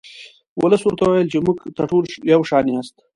ولس ورته وویل چې موږ ته ټول یو شان یاست.